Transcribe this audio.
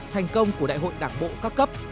thành công của đại hội đảng bộ các cấp